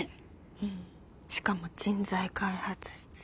うんしかも人材開発室。